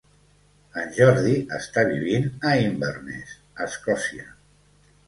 En Jordi està vivint a Inverness, Escòcia.